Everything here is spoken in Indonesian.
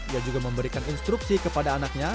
ia juga memberikan instruksi kepada anaknya